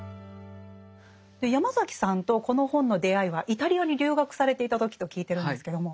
ヤマザキさんとこの本の出会いはイタリアに留学されていた時と聞いてるんですけども。